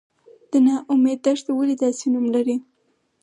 د نا امید دښته ولې داسې نوم لري؟